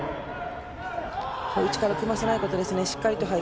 組ませないことですね。